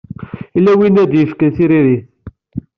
Yella win ay d-yefkan tiririt.